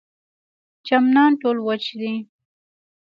چمنان ټول وچ دي.